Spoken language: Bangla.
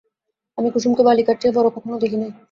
আমি কুসুমকে বালিকার চেয়ে বড়ো কখনো দেখি নাই।